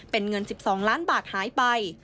เป็นเงิน๑๒ล้านบาทหายไป